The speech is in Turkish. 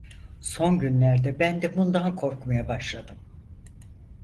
Son günlerde ben de bundan korkmaya başladım.